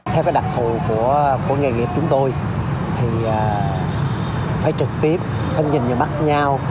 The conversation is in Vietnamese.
theo cái đặc thù của nghề nghiệp chúng tôi thì phải trực tiếp phải nhìn vào mắt nhau